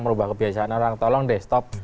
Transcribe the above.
merubah kebiasaan orang tolong deh stop